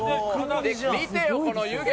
見てよこの湯気。